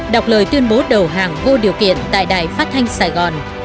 đọc lời tuyên bố đầu hàng vô điều kiện tại đài phát thanh sài gòn